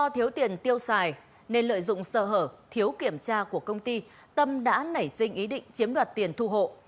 do thiếu tiền tiêu xài nên lợi dụng sơ hở thiếu kiểm tra của công ty tâm đã nảy sinh ý định chiếm đoạt tiền thu hộ